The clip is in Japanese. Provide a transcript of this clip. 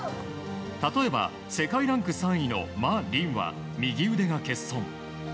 例えば世界ランク３位のマ・リンは右腕が欠損。